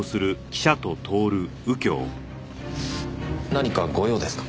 何か御用ですか？